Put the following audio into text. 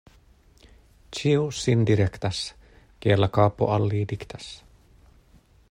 Ĉiu sin direktas, kiel la kapo al li diktas.